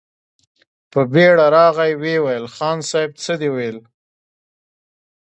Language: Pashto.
په بېړه راغی، ويې ويل: خان صيب! څه دې ويل؟